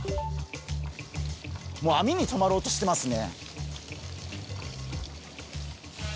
もう網に止まろうとしてますね。